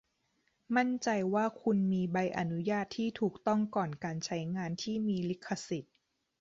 มั่นใจว่าคุณมีใบอนุญาตที่ถูกต้องก่อนการใช้งานที่มีลิขสิทธิ์